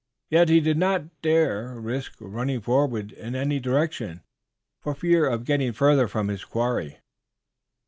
Yet he did not dare risk running forward in any direction, for fear of getting further from his quarry.